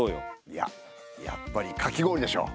いややっぱりかき氷でしょ。